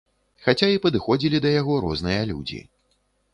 Хаця і падыходзілі да яго розныя людзі.